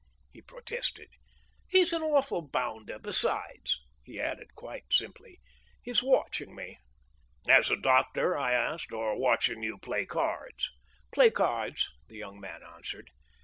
he protested; "he's an awful bounder! Besides," he added quite simply, "he's watching me." "As a doctor," I asked, "or watching you play cards?" "Play cards," the young man answered.